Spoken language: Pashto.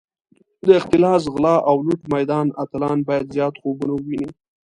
د اختلاس، غلا او لوټ میدان اتلان باید زیات خوبونه وویني.